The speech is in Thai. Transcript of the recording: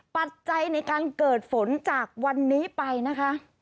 ปัจจัยในการเกิดฝนจากวันนี้ไปนะคะ